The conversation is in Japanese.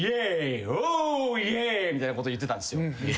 みたいなこと言ってたんすよ。